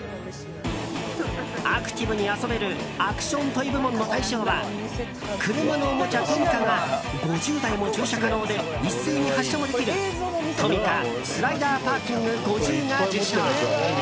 アクティブに遊べるアクション・トイ部門の大賞は車のおもちゃ、トミカが５０台も駐車可能で一斉に発車もできるトミカスライダーパーキング５０が受賞。